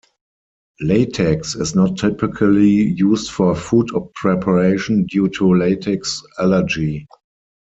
Latex is not typically used for food preparation due to latex allergy.